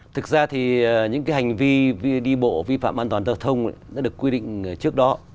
thực ra thì những cái hành vi đi bộ vi phạm an toàn giao thông đã được quy định trước đó